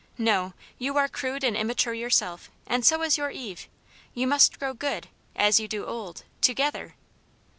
No, you are crude and immature yourself, and so is your Eve ; you must grow good, as you do old, together!